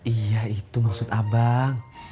iya itu maksud abang